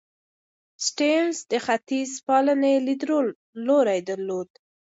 سټيونز د ختیځپالنې لیدلوری درلود.